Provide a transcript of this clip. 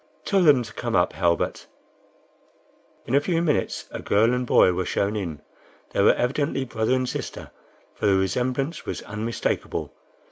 "Tell them to come up, Halbert." In a few minutes a girl and boy were shown in. They were evidently brother and sister, for the resemblance was unmistakable.